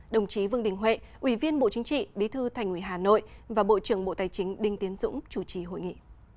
đồng chí vương đình huệ ủy viên bộ chính trị bí thư thành ủy hà nội và bộ trưởng bộ tài chính đinh tiến dũng chủ trì hội nghị